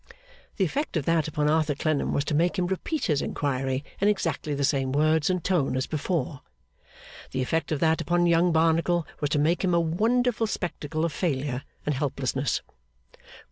The effect of that upon Arthur Clennam was to make him repeat his inquiry in exactly the same words and tone as before. The effect of that upon young Barnacle was to make him a wonderful spectacle of failure and helplessness.